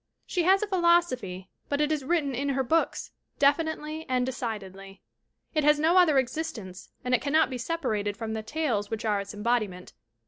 She has a philosophy but it is written in her books, definitely and decidedly. It has no other existence and it cannot be separated from the tales which are its embodiment.